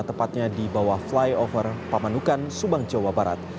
tepatnya di bawah flyover pamanukan subang jawa barat